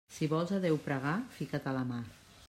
Si vols a Déu pregar, fica't a la mar.